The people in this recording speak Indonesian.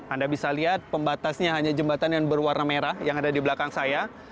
anda bisa lihat pembatasnya hanya jembatan yang berwarna merah yang ada di belakang saya